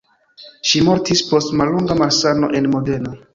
Ŝi mortis post mallonga malsano en Modena.